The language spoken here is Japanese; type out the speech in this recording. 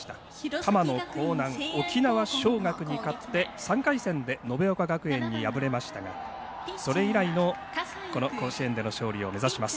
玉野光南、沖縄尚学に勝って３回戦で延岡学園に敗れましたがそれ以来のこの甲子園での勝利を目指します。